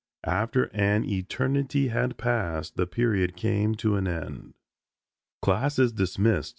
After an eternity had passed the period came to an end. "Class is dismissed.